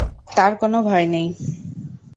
তার কোন ভয় নেই।